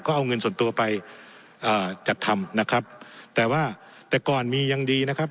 ก็เอาเงินส่วนตัวไปเอ่อจัดทำนะครับแต่ว่าแต่ก่อนมียังดีนะครับ